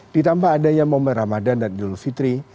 ditambah adanya momen ramadan dan idul fitri